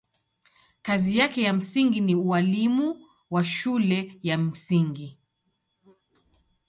Kazi yake ya msingi ni ualimu wa shule ya msingi.